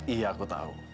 iya aku tahu